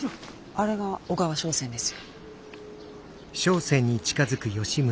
あれが小川笙船ですよ。